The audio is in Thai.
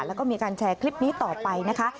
แล้วก็มีการแชร์คลิปนี้ต่อไปนะคะ